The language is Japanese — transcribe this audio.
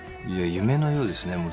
夢のようですね。